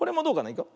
いくよ。